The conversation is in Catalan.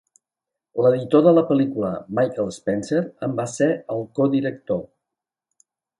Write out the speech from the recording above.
L'editor de la pel·lícula, Michael Spencer, en va ser el codirector.